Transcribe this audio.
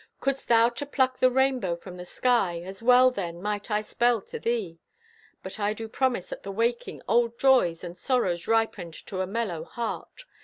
Couldst thou to pluck the rainbow from the sky? As well, then, might I spell to thee. But I do promise at the waking, Old joys, and sorrows ripened to a mellow heart.